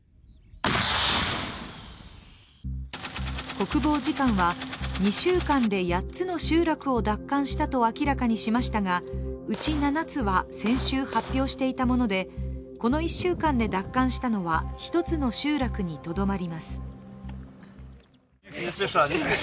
国防次官は２週間で８つの集落を奪還したと明らかにしましたがうち７つは先週発表していたもので、この１週間で奪還したのは１つの集落にとどまります。